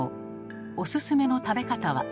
おすすめの食べ方は。